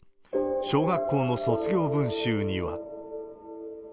小学校の卒業文集には。